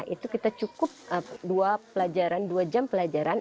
itu kita cukup dua pelajaran dua jam pelajaran